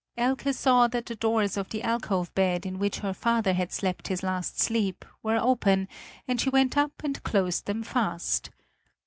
Elke saw that the doors of the alcove bed, in which her father had slept his last sleep were open and she went up and closed them fast.